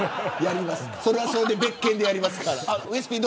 それはそれで別件でやりますから。